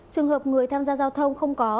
trường hợp người tham gia giao thông không có